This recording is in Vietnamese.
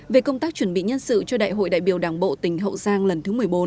về công tác chuẩn bị nhân sự cho đại hội đại biểu đảng bộ tỉnh hậu giang lần thứ một mươi bốn